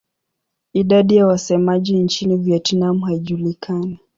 Idadi ya wasemaji nchini Vietnam haijulikani.